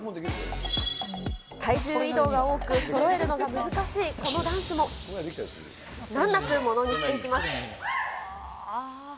体重移動が多く、そろえるのが難しいこのダンスも、難なくものにしていきます。